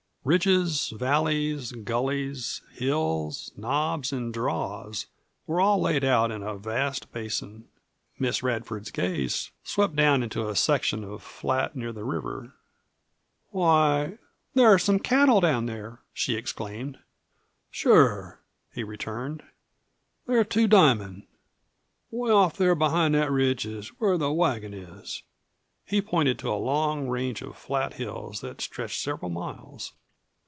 Ridges, valleys, gullies, hills, knobs, and draws were all laid out in a vast basin. Miss Radford's gaze swept down into a section of flat near the river. "Why, there are some cattle down there!" she exclaimed. "Sure," he returned; "they're Two Diamond. Way off there behind that ridge is where the wagon is." He pointed to a long range of flat hills that stretched several miles.